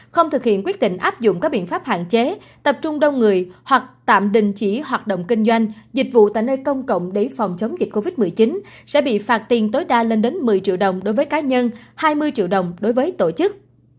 không thực hiện quyết định áp dụng các biện pháp hạn chế tập trung đông người hoặc tạm đình chỉ hoạt động kinh doanh dịch vụ tại nơi công cộng để phòng chống dịch covid một mươi chín sẽ bị phạt tiền tối đa lên đến một mươi triệu đồng đối với cá nhân hai mươi triệu đồng đối với tổ chức